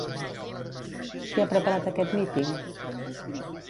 Qui ha preparat aquest míting?